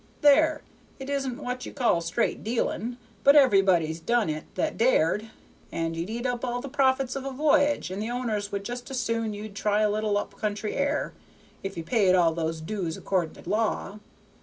There, it isn't what you call straight dealing, but everybody done it that dared, and you'd eat up all the profits of a v'y'ge and the owners would just as soon you'd try a little up country air, if you paid all those dues according to law.